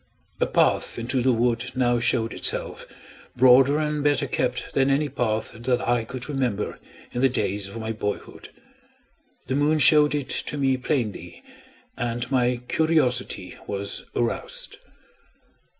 A path into the wood now showed itself, broader and better kept than any path that I could remember in the days of my boyhood. The moon showed it to me plainly, and my curiosity was aroused.